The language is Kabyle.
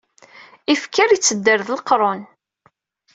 Ifker yettedder d leqrun.